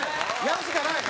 やるしかない！